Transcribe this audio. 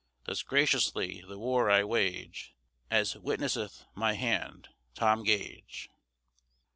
Thus graciously the war I wage, As witnesseth my hand, TOM GAGE.